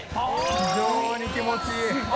非常に気持ちいい。